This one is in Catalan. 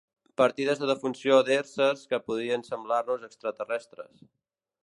Partides de defunció d'éssers que podrien semblar-nos extraterrestres.